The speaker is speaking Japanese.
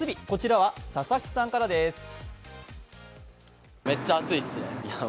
こちらは佐々木さんからです。